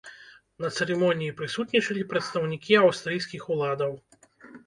На цырымоніі прысутнічалі прадстаўнікі аўстрыйскіх уладаў.